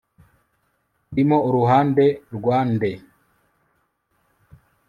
Urimo uruhande rwa nde